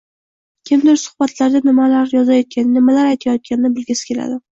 Kimdir suhbatlarda nimalar yozayotgani, nimalar aytayotganini bilgisi keladi.